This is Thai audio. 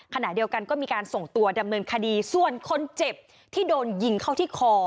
ขณะเดียวกันก็มีการส่งตัวดำเนินคดีส่วนคนเจ็บที่โดนยิงเข้าที่คอ